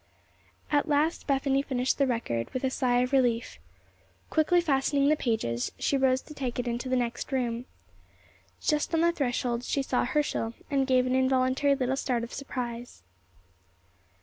At last Bethany finished the record, with a sigh of relief. Quickly fastening the pages, she rose to take it into the next room. Just on the threshold she saw Herschel, and gave an involuntary little start of surprise.